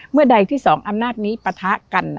เมื่อใดที่๒อำนาจนี้ปะทะกัน